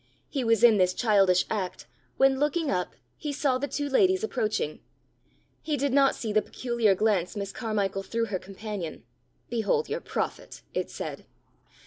He was in this childish act when, looking up, he saw the two ladies approaching; he did not see the peculiar glance Miss Carmichael threw her companion: "Behold your prophet!" it said.